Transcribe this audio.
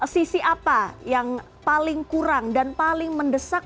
sisi apa yang paling kurang dan paling mendesak